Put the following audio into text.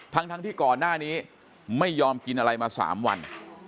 ทั้งที่ก่อนหน้านี้ไม่ยอมกินอะไรมา๓วัน